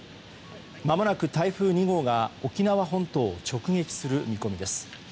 まもなく台風２号が沖縄本島を直撃する見込みです。